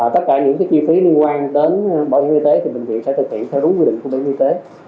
tất cả những chi phí liên quan đến bảo hiểm y tế thì bệnh viện sẽ thực hiện theo đúng quy định của bảo hiểm y tế